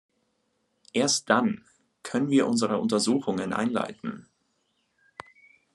Erst dann können wir unsere Untersuchungen einleiten.